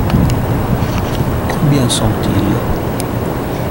Combien sont-ils ?